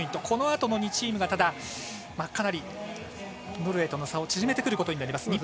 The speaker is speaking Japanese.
このあとも２チームがノルウェーとの差を縮めてくることになります。